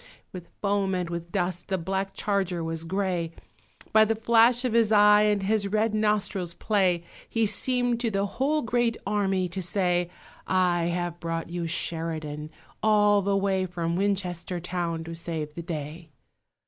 With foam and with dust the black charger was grey; By the flash of his eye and his red nostril's play He seemed to the whole great army to say "I have brought you Sheridan, all the way From Winchester town to save the day!"